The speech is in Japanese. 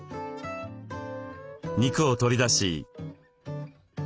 肉を取り出し。